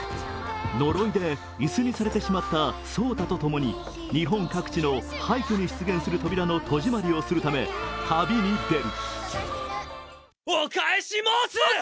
呪いで椅子にされてしまった草太とともに日本各地の廃虚に出現する扉の戸締まりをするため、旅に出る。